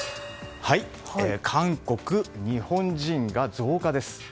韓国、日本人が増加です。